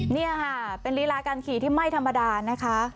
นี่ค่ะเป็นลีลาการขี่ที่ไม่ธรรมดานะคะ